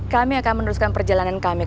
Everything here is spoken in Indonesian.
kami akan meneruskan perjalanan kami